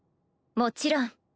もちろん。